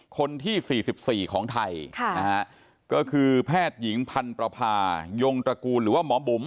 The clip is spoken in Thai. คนที่สี่สิบสี่ของไทยค่ะนะฮะก็คือแพทย์หญิงพันประพายงตระกูลหรือว่าหมอบุ๋ม